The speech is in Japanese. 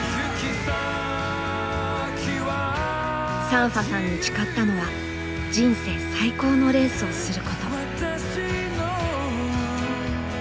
サンファさんに誓ったのは人生最高のレースをすること。